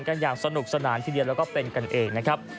กันอย่างสนุกสนานทีเดียวแล้วก็เป็นกันเองนะครับ